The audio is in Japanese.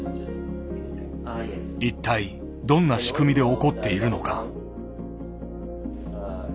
一体どんな仕組みで起こっているのか。